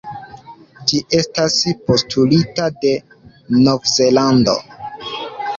Ĝi estas postulita de Novzelando.